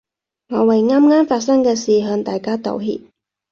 我為啱啱發生嘅事向大家道歉